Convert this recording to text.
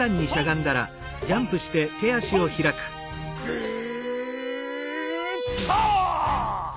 グーパッ！